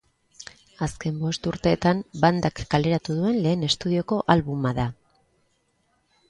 Azken bost urteetan bandak kaleratu duen lehen estudioko albuma da.